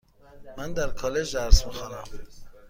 من در کالج درس میخوانم.